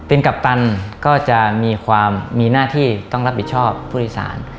เป็นกัปตันก็จะมีความมีหน้าที่ต้องรับผิดชอบผู้โดยสาร